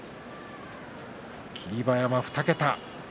霧馬山、２桁。